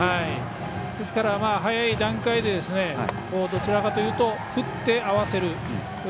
早い段階で、どちらかというと振って合わせる。